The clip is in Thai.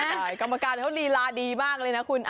ใช่กรรมการเขาลีลาดีมากเลยนะคุณ